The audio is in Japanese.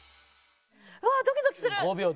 うわドキドキする！